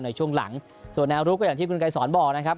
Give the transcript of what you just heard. ในช่วงหลังส่วนแนวรุกก็อย่างที่คุณไกรสอนบอกนะครับ